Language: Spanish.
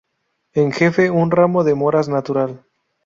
En jefe un ramo de moras natural.